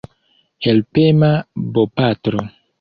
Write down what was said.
Helpema bopatro.